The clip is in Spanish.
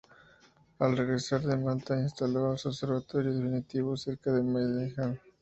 Al regresar de Malta instaló su observatorio definitivo cerca de Maidenhead.